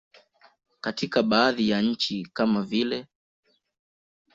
Katika baadhi ya nchi kama vile.